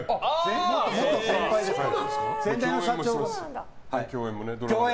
元先輩ですから。